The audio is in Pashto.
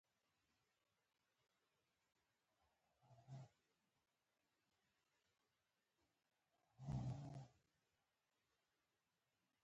ډيپلوماسي د نړیوالو اړیکو زړه ګڼل کېږي.